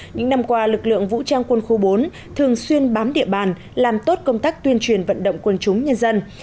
những năm qua lực lượng vũ trang quân khu bốn thường xuyên bám địa bàn làm tốt công tác tuyên truyền vận động quân chúng nhân dân